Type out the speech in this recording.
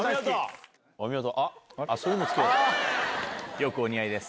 よくお似合いです。